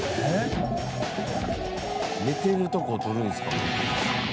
寝てるとこをとるんですかね？